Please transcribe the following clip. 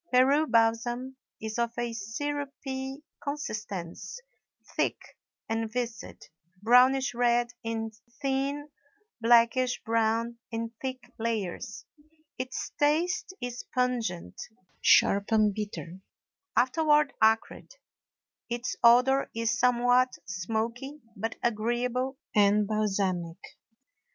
Peru balsam is of a syrupy consistence, thick and viscid, brownish red in thin, blackish brown in thick layers. Its taste is pungent, sharp, and bitter, afterward acrid; its odor is somewhat smoky, but agreeable and balsamic.